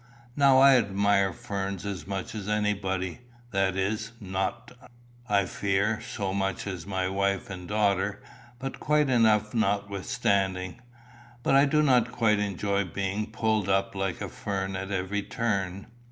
Now, I admire ferns as much as anybody that is, not, I fear, so much as my wife and daughter, but quite enough notwithstanding but I do not quite enjoy being pulled up like a fern at every turn.